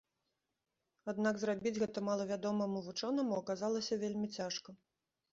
Аднак зрабіць гэта малавядомаму вучонаму аказалася вельмі цяжка.